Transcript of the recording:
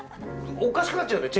おかしくなっちゃうよね